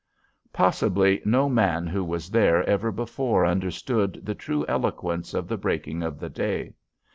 Possibly no man who was there ever before understood the true eloquence of the breaking of the day.